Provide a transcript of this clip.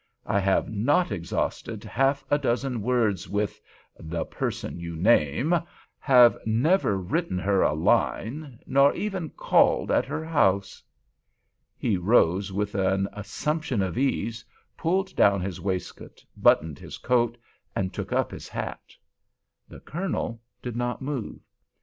I have not exhausted half a dozen words with—the person you name—have never written her a line—nor even called at her house." He rose with an assumption of ease, pulled down his waistcoat, buttoned his coat, and took up his hat. The Colonel did not move.